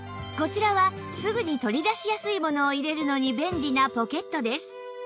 こちらはすぐに取り出しやすいものを入れるのに便利なポケットです